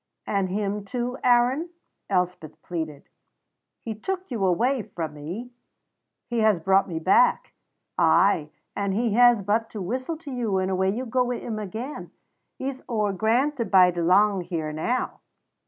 "And him too, Aaron?" Elspeth pleaded. "He took you away frae me." "He has brought me back." "Ay, and he has but to whistle to you and away you go wi' him again. He's ower grand to bide lang here now."